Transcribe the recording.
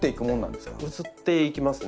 うつっていきますね。